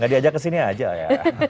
gak diajak kesini aja ya